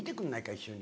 一緒に」